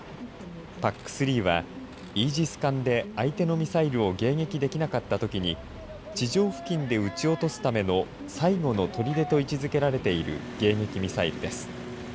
ＰＡＣ３はイージス艦で相手のミサイルを迎撃できなかったときに地上付近で撃ち落とすための最後のとりでと位置づけられている迎撃ミサイルです。